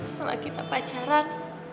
setelah kita pacaran